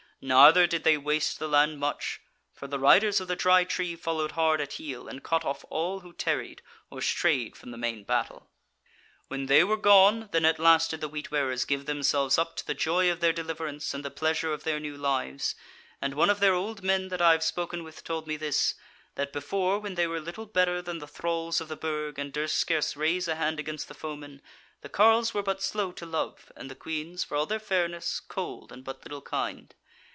Neither did they waste the land much; for the riders of the Dry Tree followed hard at heel, and cut off all who tarried, or strayed from the main battle. "When they were gone, then at last did the Wheat wearers give themselves up to the joy of their deliverance and the pleasure of their new lives: and one of their old men that I have spoken with told me this; that before when they were little better than the thralls of the Burg, and durst scarce raise a hand against the foemen, the carles were but slow to love, and the queans, for all their fairness, cold and but little kind.